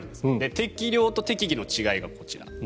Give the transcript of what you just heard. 適量と適宜の違いがこちら。